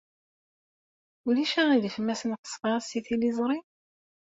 Ulac aɣilif ma sneqseɣ-as i tliẓri?